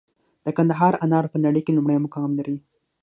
د کندهار انار په نړۍ کې لومړی مقام لري.